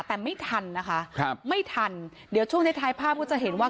แต่ไม่ทันนะคะครับไม่ทันเดี๋ยวช่วงท้ายท้ายภาพก็จะเห็นว่า